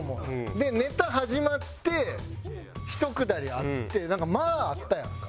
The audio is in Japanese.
でネタ始まってひとくだりあってなんか間あったやんか。